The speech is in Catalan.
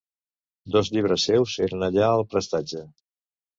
Dos llibres seus eren allà al prestatge.